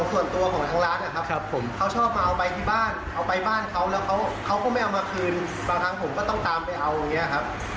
ส่วนตัวของทางร้านนะครับคโค้มเขาชอบมาเอาไปบ้านเขาแล้วเขาก็ไม่เอามาคืนบางทานผมก็ต้องตามไปเอาอย่างนี้นะครับ